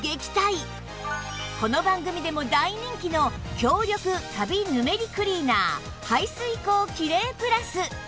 この番組でも大人気の強力カビ・ヌメリクリーナー排水口キレイプラス